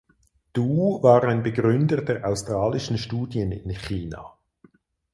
Du war ein Begründer der australischen Studien in China.